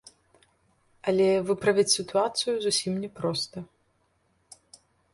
Але выправіць сітуацыю зусім няпроста.